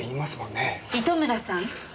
糸村さん。